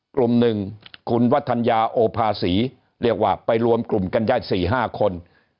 กลุ่มหนึ่งคุณวัฒนยาโอภาษีเรียกว่าไปรวมกลุ่มกันได้๔๕คน